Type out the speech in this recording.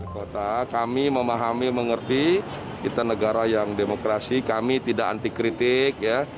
kota kami memahami mengerti kita negara yang demokrasi kami tidak anti kritik